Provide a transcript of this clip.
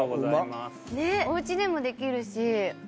おうちでもできるし。